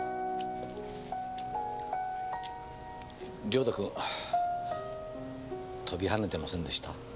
良太君跳びはねてませんでした？